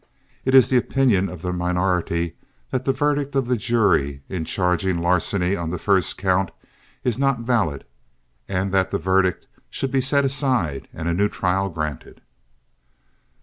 It is the opinion of the minority that the verdict of the jury in charging larceny on the first count is not valid, and that that verdict should be set aside and a new trial granted."